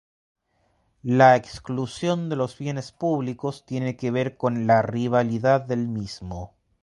La exclusión de los bienes públicos tiene que ver con la rivalidad del mismo.